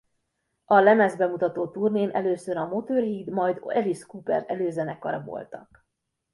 A lemezbemutató turnén először a Motörhead majd Alice Cooper előzenekara voltak.